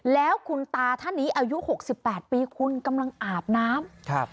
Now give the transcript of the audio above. แล้วคุณตาท่านนี้อายุ๖๘ปีคุณกำลังอาบน้ำ